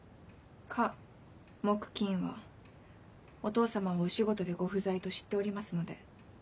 火木金はお父さまがお仕事でご不在と知っておりますので。